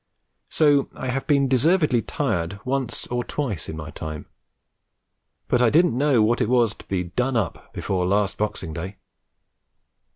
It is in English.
So I have been deservedly tired once or twice in my time; but I didn't know what it was to be done up before last Boxing Day.